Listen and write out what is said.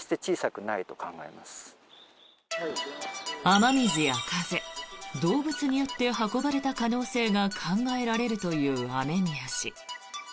雨水や風、動物によって運ばれた可能性が考えられるという雨宮氏。